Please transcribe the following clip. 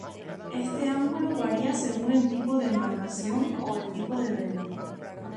Este ángulo varía según el tipo de embarcación o el tipo de vela.